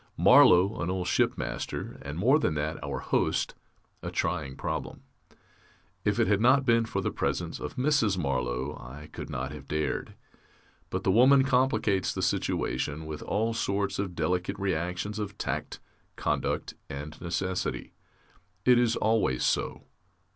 Marlow, an old shipmaster, and more than that, our host a trying problem. If it had not been for the presence of Mrs. Marlow, I could not have dared. But the woman complicates the situation with all sorts of delicate reactions of tact, conduct, and necessity. It is always so.